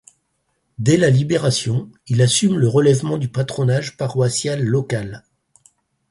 Dès la Libération, il assume le relèvement du patronage paroissial local.